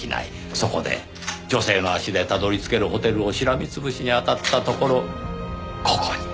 そこで女性の足でたどり着けるホテルをしらみ潰しにあたったところここに。